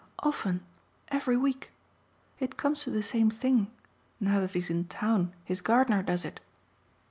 "Often every week. It comes to the same thing now that he's in town his gardener does it."